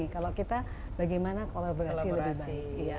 kalau kita bagaimana kolaborasi lebih baik